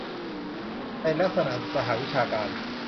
ในลักษณะสหวิทยาการ